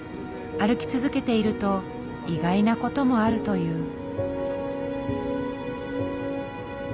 歩き続けていると意外なこともあるという。